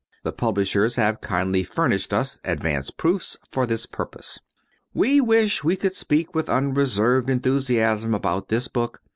The publishers have kindly furnished us advance proofs for this purpose. We wish we could speak with unreserved enthusiasm about this book.